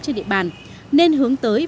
trên địa bàn nên hướng tới